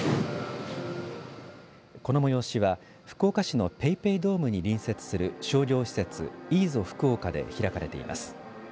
この催しは福岡市のＰａｙＰａｙドームに隣接する商業施設Ｅ・ＺＯＦＵＫＵＯＫＡで開かれています。